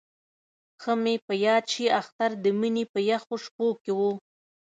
ښه مې په یاد شي اختر د مني په یخو شپو کې وو.